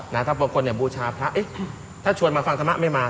ถ้าบางคนเนี่ยบูชาพระถ้าชวนมาฟังธรรมะไม่มา